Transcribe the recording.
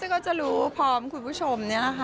ซึ่งก็จะรู้พร้อมคุณผู้ชมนี่แหละค่ะ